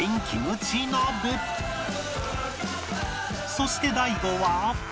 そして大悟は